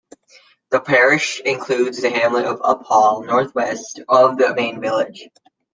The parish includes the hamlet of Uphall northwest of the main village.